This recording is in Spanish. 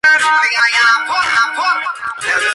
Cuando Zayn era niño, mostraba ser un tanto hiperactivo.